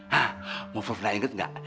ha maaf maaf pernah inget gak